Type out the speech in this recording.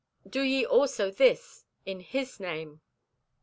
"Do ye also this, in His name."